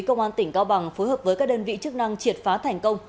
công an tp hcm phối hợp với các đơn vị chức năng triệt phá thành công